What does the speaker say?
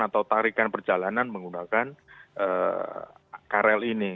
atau tarikan perjalanan menggunakan karel ini